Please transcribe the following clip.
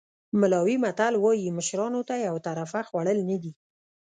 ملاوي متل وایي مشرانو ته یو طرفه خوړل نه دي.